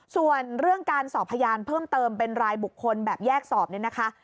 ส่วนเรื่องการสอบพยานเพิ่มเติมเป็นรายบุคคลแบบแยกสอบเนี่ยนะคะ